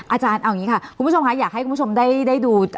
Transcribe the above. อาจารย์เอาอย่างนี้ค่ะคุณผู้ชมค่ะอยากให้คุณผู้ชมได้ดู